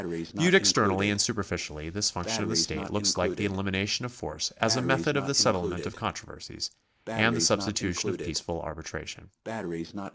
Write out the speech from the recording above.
Viewed externally and superficially, this function of the state looks like the elimination of force as a method of the settlement of con troversies, and the substitution of peaceful arbitration.